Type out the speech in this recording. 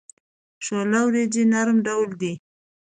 شوله د وریجو نرم ډول دی.